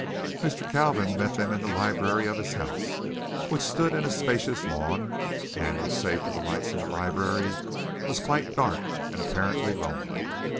Mr. Kalvin met them in the library of his house, which stood in a spacious lawn and which save for the lights in the library was quite dark and apparently lonely.